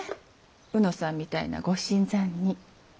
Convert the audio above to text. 卯之さんみたいなご新参に。